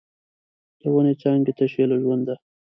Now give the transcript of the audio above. د ونو څانګې تشې له ژونده